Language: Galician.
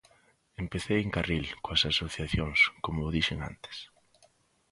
Empecei en Carril coas asociacións, como dixen antes.